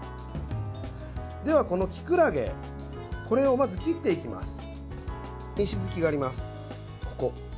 では、このきくらげこれをまず切っていきます。